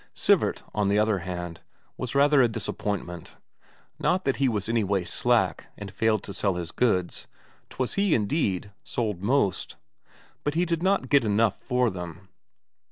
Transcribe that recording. Sivert, on the other hand, was rather a disappointment. Not that he was any way slack, and failed to sell his goods 'twas he, indeed, sold most but he did not get enough for them.